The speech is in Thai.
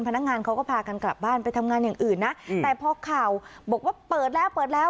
พนักงานเขาก็พากันกลับบ้านไปทำงานอย่างอื่นนะแต่พอข่าวบอกว่าเปิดแล้วเปิดแล้ว